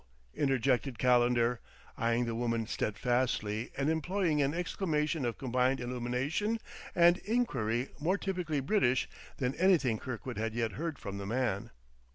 interjected Calendar, eying the woman steadfastly and employing an exclamation of combined illumination and inquiry more typically British than anything Kirkwood had yet heard from the man.